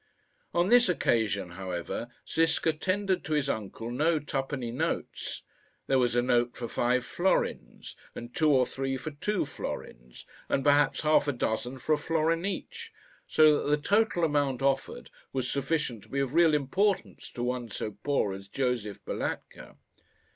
On this occasion, however, Ziska tendered to his uncle no two penny notes. There was a note for five florins, and two or three for two florins, and perhaps half a dozen for a florin each, so that the total amount offered was sufficient to be of real importance to one so poor as Josef Balatka.